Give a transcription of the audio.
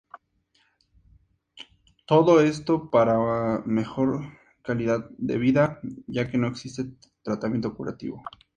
Todo esto para una mejor calidad de vida, ya que no existe tratamiento curativo.